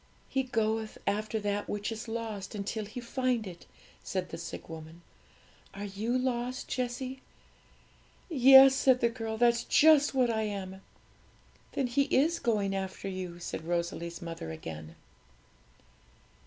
'"He goeth after that which is lost until He find it,"' said the sick woman. 'Are you lost, Jessie?' 'Yes,' said the girl; 'that's just what I am!' 'Then He is going after you,' said Rosalie's mother again.